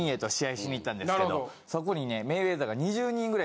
そこにね。